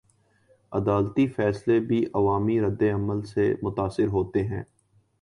عدالتی فیصلے بھی عوامی ردعمل سے متاثر ہوتے ہیں؟